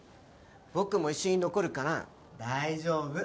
僕も一緒に残るから大丈夫！